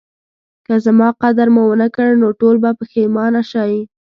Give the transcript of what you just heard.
که زما قدر مو ونکړ نو ټول به پخیمانه شئ